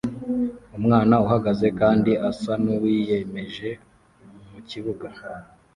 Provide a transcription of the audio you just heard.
Umwana uhagaze kandi asa nuwiyemeje mukibuga